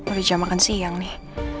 udah jam makan siang nih